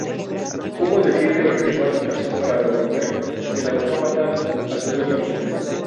Hugo decide regresar a la estación para devolver el autómata a su dueño original.